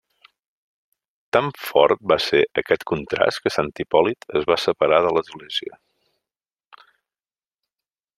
Tan fort va ser aquest contrast que Sant Hipòlit es va separar de l'Església.